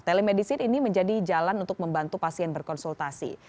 telemedicine ini menjadi jalan untuk membantu pasien berkonsultasi